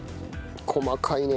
細かいね。